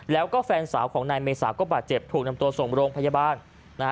แล้วก็แฟนสาวของนายเมษาก็บาดเจ็บถูกนำตัวส่งโรงพยาบาลนะฮะ